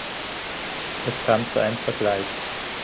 Es kam zu einem Vergleich.